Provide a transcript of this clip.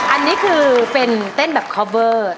อันนี้คือเป็นเต้นแบบคอปเวอร์